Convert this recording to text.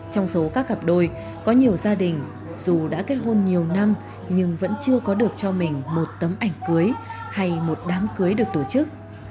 trong số các cặp đôi có nhiều gia đình dù đã kết hôn nhiều năm nhưng vẫn chưa có được cho mình một tấm ảnh cưới hay một đám cưới được tổ chức